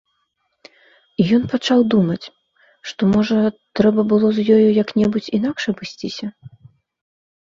І ён пачаў думаць, што, можа, трэба было з ёю як-небудзь інакш абысціся?